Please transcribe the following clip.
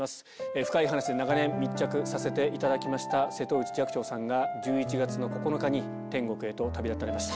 深イイ話で長年、密着させていただきました瀬戸内寂聴さんが、１１月の９日に天国へと旅立たれました。